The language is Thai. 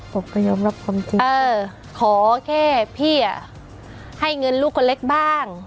ผมก็ยอมรับความจริงเออขอแค่พี่อ่ะให้เงินลูกคนเล็กบ้าง